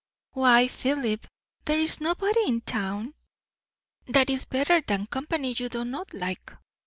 "Why, Philip, there is nobody in town." "That is better than company you do not like."